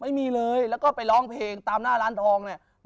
ไม่มีเลยแล้วก็ไปร้องเพลงตามหน้าร้านทองเนี่ย